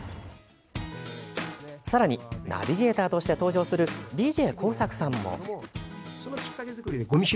さらに、ナビゲーターとして登場するＤＪＫＯＵＳＡＫＵさんも。